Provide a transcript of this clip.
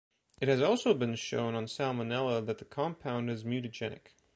It has also been shown on salmonella that the compound is mutagenic.